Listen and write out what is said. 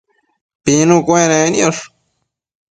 pinu cuenec niosh